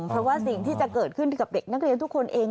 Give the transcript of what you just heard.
เพราะว่าสิ่งที่จะเกิดขึ้นกับเด็กนักเรียนทุกคนเอง